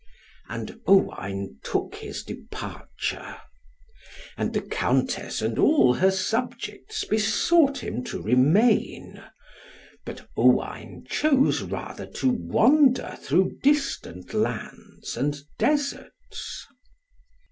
And Owain took his departure. And the Countess and all her subjects besought him to remain, but Owain chose rather to wander through distant lands and deserts.